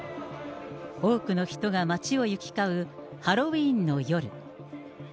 多くの人が街を行き交うハロウィーンの夜。